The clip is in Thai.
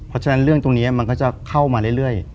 เพราะฉะนั้นเรื่องตรงนี้มันก็จะเข้ามาเรื่อย